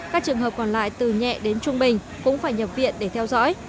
các trường hợp còn lại từ nhẹ đến trung bình cũng phải nhập viện để theo dõi